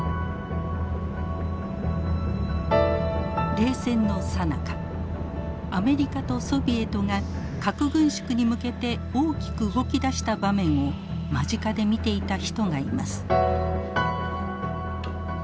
冷戦のさなかアメリカとソビエトが核軍縮に向けて大きく動き出した場面を間近で見ていた人がいます。